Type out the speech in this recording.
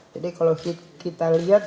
jadi kalau kita lihat